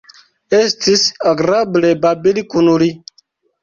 Estis agrable babili kun li.